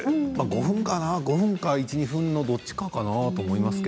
５分かな、５分か１、２分のどっちかかなと思います。